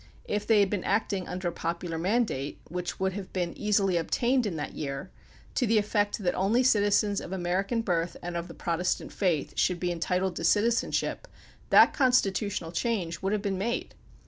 If they had been acting under a popular mandate, which would have been easily obtained in that year, to the effect that only citizens of American birth and of the Protestant faith should be entitled to citizenship, that constitutional change would have been made.